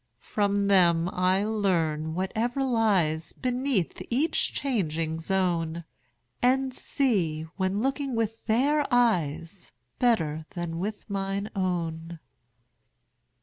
From them I learn whatever lies Beneath each changing zone, And see, when looking with their eyes, 35 Better than with mine own.